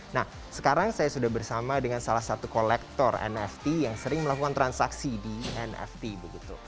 nah sekarang saya sudah bersama dengan salah satu kolektor nft yang sering melakukan transaksi di nft begitu